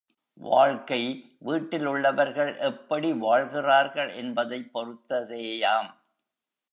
வாழ்க்கை வீட்டில் உள்ளவர்கள் எப்படி வாழ்கிறார்கள் என்பதைப் பொறுத்ததேயாம்.